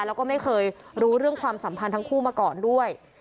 แล้วก็ไม่เคยรู้เรื่องความสัมพันธ์ทั้งคู่มาก่อนด้วย